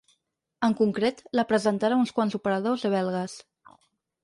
En concret, la presentarà a uns quants operadors belgues.